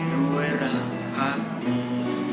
ด้วยรักพักดี